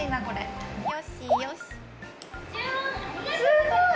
すごい！